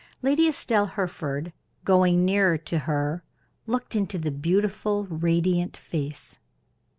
Lady Estelle Hereford, going nearer to her, looked into the beautiful, radiant face.